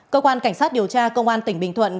cơ quan cảnh sát điều tra công an tỉnh bình thuận